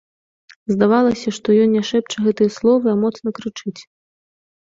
Здавалася, што ён не шэпча гэтыя словы, а моцна крычыць.